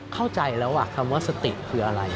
เข้าใจแล้วคำว่าสติคืออะไร